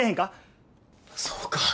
そうか。